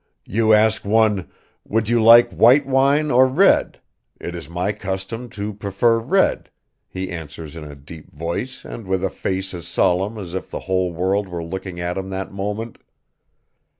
You ask one 'Would you like white wine or red?' 'It is my custom to prefer red,' he answers in a deep voice and with a face as solemn as if the whole world were looking at him that moment